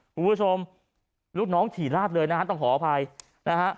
คุณผู้ชมลูกน้องฉี่ลาดเลยนะฮะต้องขออภัยนะฮะ